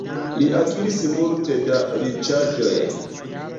Li akiris multe da riĉaĵoj.